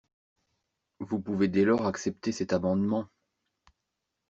Vous pouvez dès lors accepter cet amendement.